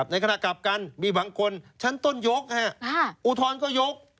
ในขณะกลับกันมีบางคนชั้นต้นยกอุทธรณ์ก็ยก